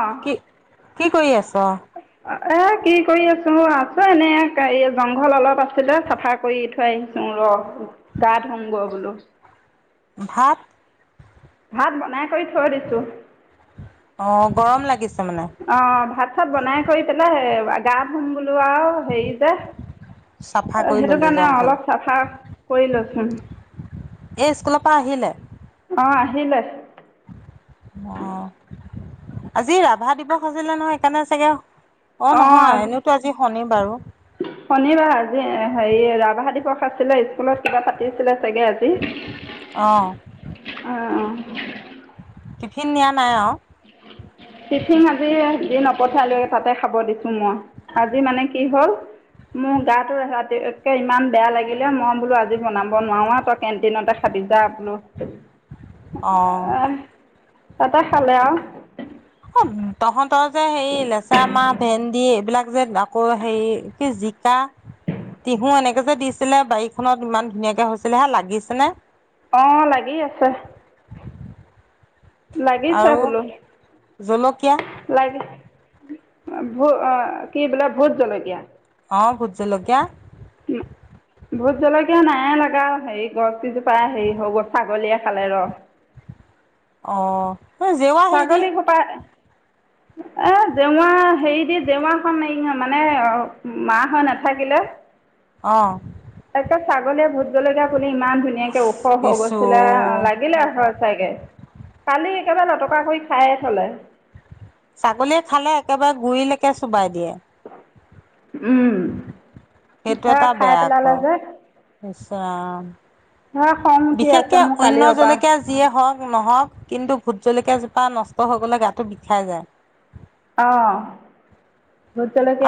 অ কি, কি কৰি আছ? এ, কি কৰি আছো, আছো এনেকা এই জংঘল অলপ আছিলে চাফা কৰি থাই, আহিছো ৰহ, গা-ধুমগৈ বোলো। ভাত ভাত বনাই কৰি থৈ দিছো। অ, গৰম লাগিছে মানে? অ, ভাত-চাত বনাই কৰি পেলাই, গা ধুম বোলো আৰু হেৰি যে চাফা অ, কৰি সেইটো ললি কাৰণে, জংঘল। অলপ চাফা কৰি লচোন। এই, স্কুলৰ পৰা আহিলে? অ, আহিলে। অ, আজি ৰাভা দিৱস আছিলে নহয়, সেইকাৰণে চাগে অ, নহয় এনেওতো আজি, শনি বাৰো। শনিবাৰ আজি, হেৰি ৰাভা দিৱস আছিলে, স্কুলত কিবা পাতিছিলে চাগে আজি।। অ, অ, অ, টিফিন নিয়া নাই আৰু। টিফিন আজি দি নপথালো তাতে খাব দিছো মই, আজি মানে কি হ'ল মোৰ গাটো ৰাতিকে ইমান বেয়া লাগিলে, মই বোলো আজি বনাব নোৱাৰো, তই কেণ্টিনতে খাবি যা বোলো, অ' তাতে খালে আৰু। অ' তহঁতৰ যে, সেই লেচৰা-মাহ ভেন্দি এইবিলাক যে আকৌ হেৰি কি, জিকা। তিহু, এনেকে যে দিছিলে, বাৰীখনত ইমান ধুনীয়াকে হৈছিলে হে লাগিছে নে? অ, লাগি আছে। লাগিছে আৰু জলকীয়া? লাগে, অ, কি, বোলে ভোট জলকীয়া? অ, ভুত জলকীয়া। ভুত জলকীয়া নাই লাগা হেৰি, গছ কেইজোপা হেৰি গ'ল ছাগলীয়ে খালে ৰহ। অ, জেৱা হেৰি ছাগলী সোপা, এ, জেওৰা হেৰি দি, জেওৰাখন এই মানে, অ, মাৰা হৈ নাথাকিলে অ, একে ছাগলীয়ে, ভুত জলকীয়া পুলি ইমান ধুনীয়াকে ওখ, ওখ ইছু গছবিলাক লাগিলে হৈ চাগে, কালি একেবাৰে লটকা কৰি খায়ে থ'লে। ছাগলীয়ে খালে, একেবাৰে গুৰিলৈকে চুবাই দিয়ে। উম, সেইটো এটা বেয়া আকৌ। নিশ্চয় অ, সেয়া খং উঠি আছে বিশেষকে মোৰ অন্য কালিৰ পৰা জলকীয়া যিয়ে হওঁক-নহওঁক, কিন্তু ভোট জলকীয়া জোপা নষ্ট হৈ গ'লে গাটো বিষাই যায়। অ,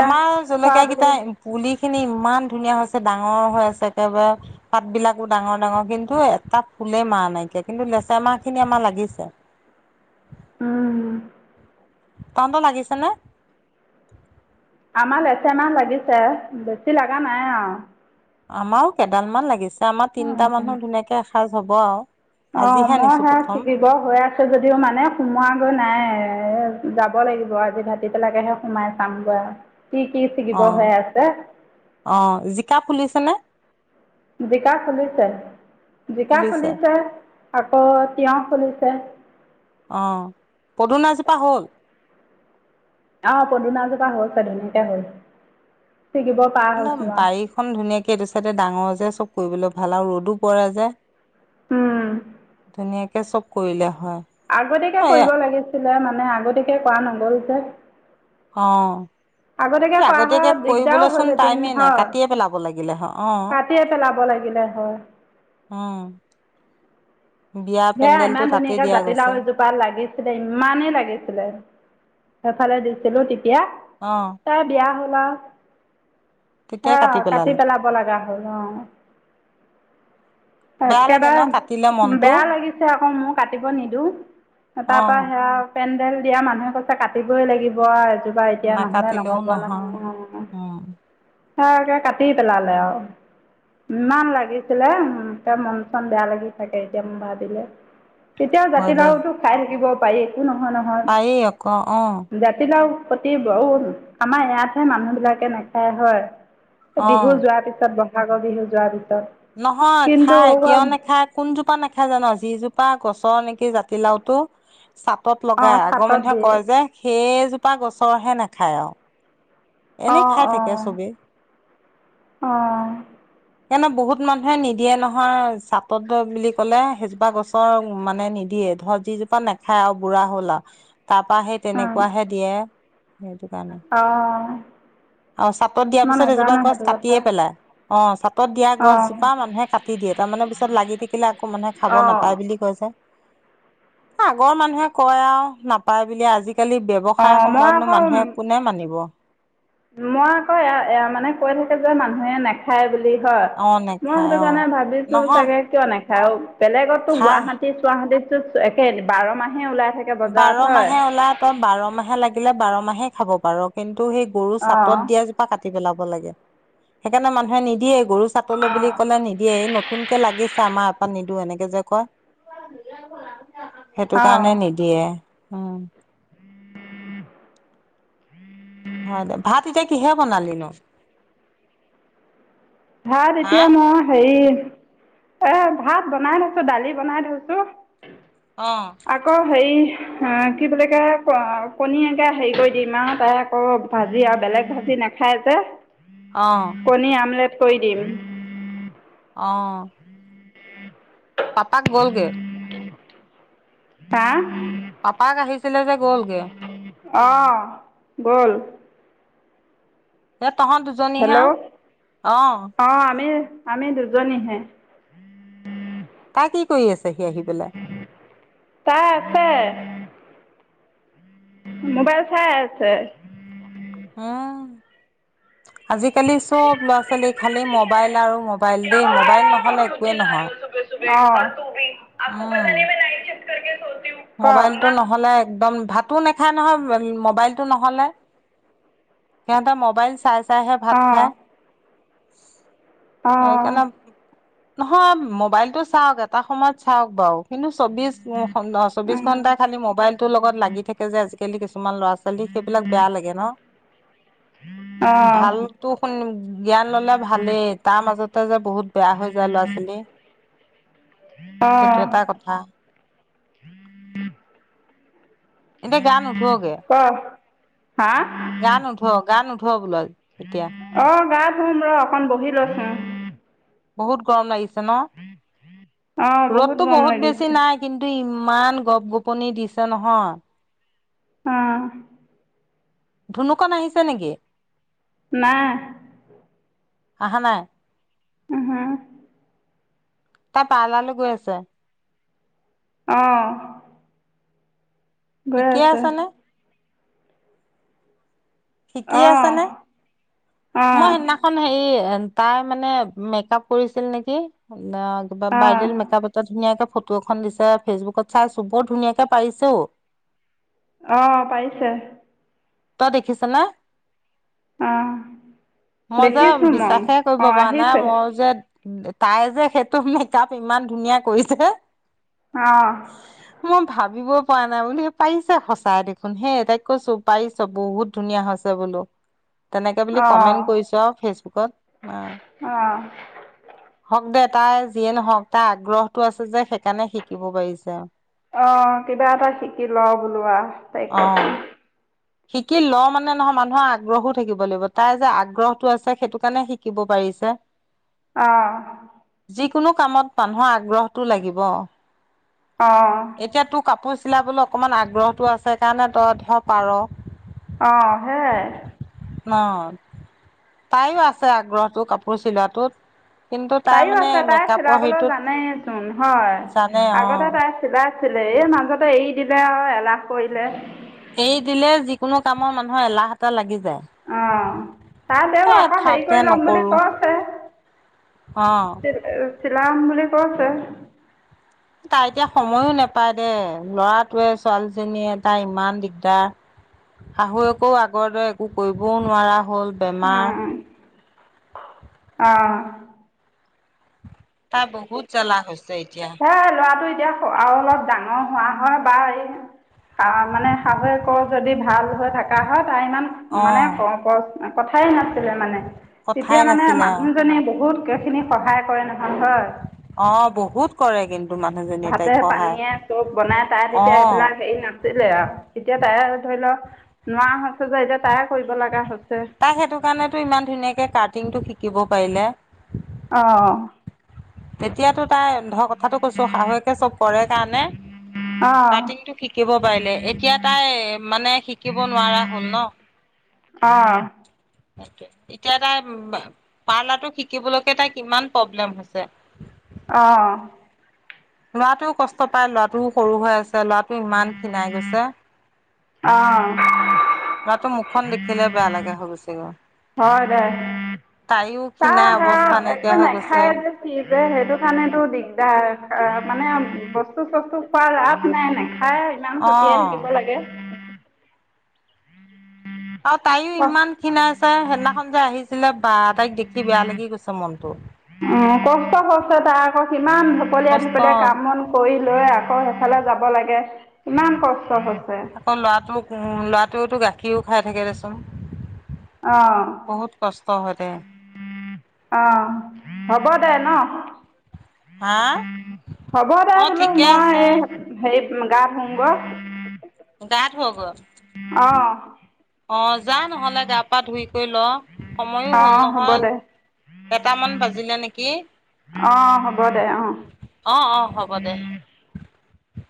আমাৰ খোৱা জলকীয়া বুলি কেইটাৰ, পুলি খিনি ইমান ধুনীয়া হৈছে। ডাঙৰ হৈ আছে একেবাৰে। পাত বিলাকো ডাঙৰ ডাঙৰ, কিন্তু এটা ফুলে মাহ নাইকিয়া, কিন্তু লেচেৰা মাহ খিনি আমাৰ লাগিছে। উম, তহঁতৰ লাগিছে নে? আমাৰ লেচেৰা মাহ লাগিছে। বেছি লাগা নাই আও। আমাৰো কেইডাল মান লাগিছে। আমাৰ তিনিটা আৰু মানুহ ধুনীয়াকে এসাজ হ'ব আও। অ, মই সেয়া ছিগি বৰ হৈ আছে যদিও মানে সোমোৱা গৈ নাই। যাব লাগিব আজি ভাতি বেলাকেহে সোমাই চাম গৈ আও, কি কি অ ছিগিব হৈ আছে। অ, জিকা ফুলিছে নে? জিকা ফুলিছে। জিকা ফুলিছে, আকৌ তিয়ঁহ ফুলিছে। অ, পদুনাজোপা হ'ল? অ পদুনাজোপা হৈছে, ধুনীয়াকে হৈছে। ছিগিব পৰা হৈছোঁ বাৰীখন ধুনীয়াকে এইটো চাইডে ডাঙৰ যে, চব কৰিবলে ভাল আৰু ৰ'দো পৰে যে। আৰু ধুনীয়াকে চব কৰিলে হয়। আগতীয়াকে অ এ কৰিব লাগিছিলে। মানে আগতীয়াকে কৰা নহ'ল যে। অ। সি আগতীয়াকৈ কৰা হয় আগতীয়াকে দিগদাৰো কৰিবলে চোন হ'লহেঁতেন টাইমেই নাই। হয় কাটিয়ে পেলাব লাগিলে হয়। অ ' কাটিয়ে পেলাব লাগিলে হয়। অ' বিয়া সেয়া পেণ্ডেলটো ইমান তাতেই ধুনীয়াকৈ দিয়া জাতিলাও গৈছে। এজোপা লাগিছিলে ইমানেই লাগিছিলে। সেইফালে দিছিলো তেতিয়া। অ। তাই বিয়া হ'ল আও। অ তেতিয়াই কাটি পেলালে পেলাব লগা হ'ল অ। বেয়া লাগে একেবাৰে, ন কাটিলে মনটো বেয়া লাগিছে আকৌ মোৰ কাটিব নিদো। তাপা পা অ সেয়া পেণ্ডেল দিয়া মানুহে কৈছে, কাটিবই লাগিব এ বা এতিয়া নহ'লে নহ'ব নহয়। অ উম এতিয়া কাটি পেলালে আও, ইমান লাগিছিলে উম। তে মন চন বেয়া লাগি থাকে এতিয়া মোৰ ভাবিলে। তেতিয়াও হয় দে জাতিলাওঁটো খায় থাকিব পাৰি। এ নহয় নহয়। পাৰি আকৌ অ জাতিলাও প্ৰতি বহুত, আমাৰ ইয়াতহে মানুহ বিলাকে নাখায় হয়। অ বিহু যোৱা পিছত বহাগৰ বিহু যোৱা পিছত। নহয় কিন্তু খায়। কিয় নাখায়? কোনজোপা নেখায় জান? যিজোপা গছৰ নেকি জাতিলাওটো চাটত অঁ লগায়। আগৰ চাটত মানুহে দিয়ে কয় যে, সেইজোপা গছৰহে নাখায় আৰু। এনে অঁ খায় থাকে অঁ চবে। অঁ সেইকাৰণে বহুত মানুহে নিদিয়ে নহয়। চাটত দিয়া বুলি ক'লে সেইজোপা গছ ক মানে নিদিয়ে। ধৰ যিজোপা নেখায় আৰু বুঢ়া হ'ল আও তাপা সেই তেনেকুৱাহে দিয়ে, সেইটো কাৰণে। অঁ। অ চাটত দিয়া মই পিছত সেইজোপা নাজানো গছ সেইটো কথা কাটিয়ে পেলাই। অ চাটত দিয়া অঁ গছজোপা মানুহে কাটি দিয়ে, তাৰমানে পিছত লাগি থাকিলে আকৌ মানুহে খাব অঁ নাপায় বুলি কয় যে। অ আগৰ মানুহে কয় আও নাপায় বুলি, আজি আজিকালি ব্যৱসায় অঁ মই সময়তনো মানুহে আকৌ কোনে মানিব। মই আক এয়া মানে কৈ থাকো যে মানুহে খায় বুলি হয়, অ মই সেইটো নেখায় অ কাৰণে ভাবিছো নহয় চাগে কিয় নাখায় আৰু বেলেগতো খাই গুৱাহাটী গুৱাহাটী, চোৱাহাটিটো একে বাৰ মাহে ওলাই থাকে। বাৰ বজাৰত হয় মাহে ওলায়। তই বাৰ মাহে লাগিলে বাৰ মাহে খাব পাৰ, কিন্তু সেই গৰু চাটত অঁ দিয়া। পা কাটি পেলাব লাগে, সেইকাৰণে মানুহে নিদিয়ে গৰু চাতলৈ বুলি ক'লে নিদিয়ে নতুনকে লাগিছে আমাৰ এপাত নিদো এনেকে যে কয় সেইটো অঁ কাৰণে নিদি দিয়ে উম [unintelligible] হয় দে ভাত এতিয়া কিহেৰে বনালি নো ভাত হা এতিয়া মই হেৰি এ ভাত বনাই থৈছোঁ দালি বনাই থৈছোঁ অঁ আকৌ হেৰি কি বুলি কয় ক কণী এতিয়া হেৰি কৰি দিম আও তাই আকৌ ভাজি আৰু বেলেগ ভাজি নেখায় যে অ কণী আমলেট কৰি দিম অঁ পাপাক গ'লগে তা পাপাক আহিছিলে যে গ'লগে অঁ গ'ল এ তহঁত দুজনী হেল্ল' হে আউ, অ অঁ আমি আমি দুজনীহে তাই কি কৰি আছেহি আহি পেলাই তাই আছে মোবাইল চাই আছে অ আজিকালি চব ল'ৰা ছোৱালী খালি মবাইল আৰু মবাইল দেই মোবাইল নহলে একোৱে নহয়। অ অ মোবাইলটো নহলে একদম ভাতো নেখায় নহয় মোবাইলটো নহ'লে সিহঁতে মোবাইল চাই চাইহে ভাত অঁ খায় অঁ সেইকাৰণে নহয় মোবাইলটো চাওক এটা সময়ত চাওক বাৰু কিন্তু চৌবিশ চৌবিশ ঘণ্টাই খালি মোবাইল টোৰ লগত লাগি থাকে যে আজিকালি কিছুমান ল'ৰা ছোৱালী সেইবিলাক বেয়া লাগে ন। অঁ ভালতো শুনি জ্ঞান ললে ভালেই তাৰ মাজতে যে বহুত বেয়া হৈ যায় ল'ৰা ছোৱালী সেইটো অঁ এটা কথা এতিয়া গা নুধুৱগে ক হা গান নোধুৱ গা নোধুৱ বোলে আ এতিয়া। অ গা ধুম ৰ অকণ বহি লৈছো। বহুত গৰম লাগিছে ন অঁ ৰ'দটো গৰম বহুত বেছি লাগিছে নাই কিন্তু ইমান গপ গোপনি দিছে নহয় অ ধুনুকণ আহিছে নেকি নাই আহা নাই উহো তাৰ পাৰ্লাৰ লে গৈ আছে অঁ ঠিকেই আছে নে শিকি আছা অঁ নে? অঁ মই সিদিনা খন হেৰি তাই মানে মেকআপ কৰিছিল নেকি অ কিবা অঁ ব্ৰাইডেল মেকআপত এটা ধুনীয়াকে ফটো এখন দিছে ফেচবুকত চাইছো বৰ ধুনীয়াকে পাৰিছেও। অ' পাৰিছে। তই দেখিছা নে? অঁ মই যে দেখিছোঁ মই বিশ্বাসে কৰিব অঁ পৰা নাই আহিছে মই যে তাই যে সেইটো মেকআপ ইমান ধুনীয়া কৰিছে। অ'। মই ভাবিব পৰা নাই বুলি পাৰিছে সঁচাই দেখোন হেই তাইক কৈছো পাৰিছো বহুত ধুনীয়া হৈছে বোলো। তেনেকে বুলি অঁ কমেণ্ট কৰিছোঁ আৰু ফেচবুকত। অঁ হওক দে তাই যিয়ে নহওক তাই আগ্ৰহটো আছে যে সে অ' কিবা এটা শিকি ল বোলো আৰু তাইক কৈছে। অ', শিকি লৈ মানে নহয় মানুহৰ আগ্ৰহো থাকিব লাগিব তাই যে আগ্ৰহটো আছে সেইটো কাৰণে শিকিব পাৰিছে। অ'। যিকোনো কামত মানুহৰ আগ্ৰহটো লাগিব। অ'। এতিয়া তোৰ কাপোৰ চিলাবলৈ অকণমান আগ্ৰহটো আছে সেইকাৰণে তই ধৰ পাৰ। অ' সেইয়ে। ন তাইৰো আছে আগ্ৰহটো কাপোৰ চিলোৱাটোত। কিন্তু তাৰ তাইও মানে আছে তাই মেকআপৰ চিলাবলৈ হেৰিটোত জানেইচোন হয় জানে আগতে অ'। তাই চিলাইছিলে এই মাজতে এৰি দিলে আৰু এলাহ কৰিলে। এৰি দিলে যিকোনো কামৰ মানুহৰ এলাহ এটাহ লাগি যায়। অ' তাই দেও এ আকৌ থাক হেৰি দে কৰি ল'ম বুলি নকৰো কৈছে। অ'। চিলাম বুলি কৈছে। তাই এতিয়া সময়ো নাপায় দেই ল'ৰাটোৱে ছোৱালীজনীয়ে তাই ইমান দিগদাৰ শাহুৱেকোও আগৰ দৰে একো কৰিবও নোৱাৰা হ'ল বেমাৰ অ'। তাৰ বহুত জলা হৈছে এতিয়া। হেই ল'ৰাটো এতিয়া আৰু অলপ ডাঙৰ হোৱা হয় বা এই মানে শাহুৱেকৰ যদি ভাল হৈ থকা হয় তাৰ ইমান অ মানে [unintelligible] কথাই নাছিলে মানে। কথাই তেতিয়া মানে নাছিলে অ মানুহজনী বহুতখিনি সহায় কৰে নহয় হয়। অ' বহুত কৰে কিন্তু মানুহজনীয়ে ভাতে তাইক সহায় পানীয়ে চব বনাই তাই অ তেতিয়া সেইবিলাক হেৰি ন আৰু এতিয়া তাই ধৰি লও নোৱাৰা হৈছে যে এতিয়া তাইয়ে কৰিব লগা হৈছে। তাক সেইটো কাৰণেতো ইমান ধুনীয়াকৈ কাটিঙটো শিকিব পাৰিলে। অ'। তেতিয়াতো তাই ধৰ কথাটো কৈছো শাহুৱেকে চব কৰে কাৰণে অ', কাটিংটো শিকিব পাৰিলে এতিয়া তাই মানে শিকিব নোৱাৰা হ'ল ন। অ'। সেইটোয়ে এতিয়া তাই পাৰ্লাৰটো শিকিবলৈকে তাই কিমান প্ৰব্লেম হৈছে। অ'। ল'ৰাটো কষ্ট পায়, ল'ৰাটো সৰু হৈ আছে ল'ৰাটো ইমান খিনাই গৈছে। অ', ল'ৰাতো মুখখন দেখিলে বেয়া লাগা হৈ গৈছে গৈ। হয়, দে। তাইও চা খীণাই হা অৱস্থা নাইকিয়া একো হৈ গৈছে। নাখাই যে। কি যে সেইটো কাৰণেতো দিগদাৰ মানে বস্তু-চস্তু খোৱাৰ ৰাপ নাই নোখায়। ইমান কতিয়াই অ'। থাকিব লাগে। আৰু তাইও ইমান খিনাইছে, সেইদিনাখন যে আহিছিলে বা তাইক দেখি বেয়া লাগি গৈছে মনটো। অ', কষ্ট হৈছে তাৰ আকৌ কিমান ঢপলীয়াই কষ্ট ঢপলীয়াই কাম- বন কৰি লৈ আকৌ সেইফালে যাব লাগে, কিমান কষ্ট হৈছে। কম ল'ৰাটো ল'ৰাটোটো গাখীৰও খাই থাকে দেচোন। অঁ বহুত কষ্ট হয় দে। অঁ', হ'ব দে ন। হা? হ'ব দে অ' বোলো ঠিকে মই আছে। এই হে গা ধুং গৈ। গা ধুয় গ। অঁ', অঁ', যা নহলে গা পা ধুই কৰি ল' সময়ো হল অঁ হ'ব নহয়। দে এটা মান বাজিলে নেকি? অঁ', হ'ব দে অঁ'। অঁ', অঁ', হ'ব দে।